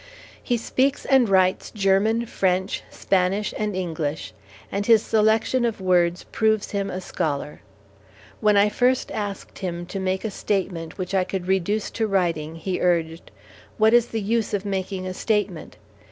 He speaks and writes German, French, Spanish, and English; and his selection of words proves him a scholar. When I first asked him to make a statement which I could reduce to writing he urged: "What is the use of making a statement?